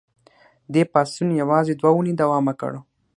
دې پاڅون یوازې دوه اونۍ دوام وکړ.